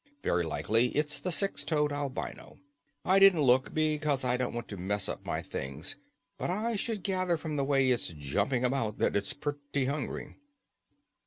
Very likely it's the six toed albino. I didn't look, because I didn't want to mess up my things but I should gather from the way it's jumping about that it's pretty hungry."